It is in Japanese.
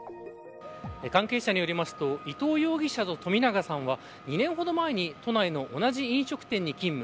関係者によりますと伊藤容疑者と冨永さんは２年ほど前に都内の同じ飲食店に勤務。